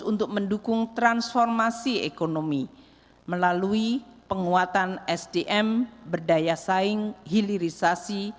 untuk mendukung transformasi ekonomi melalui penguatan sdm berdaya saing hilirisasi